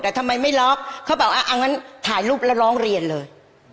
แต่ทำไมไม่ล็อกเขาบอกอ่ะเอางั้นถ่ายรูปแล้วร้องเรียนเลย